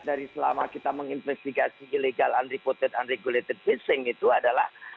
dari selama kita menginvestigasi illegal unreported unregulated fishing itu adalah